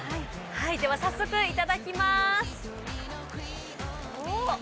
では、早速いただきます。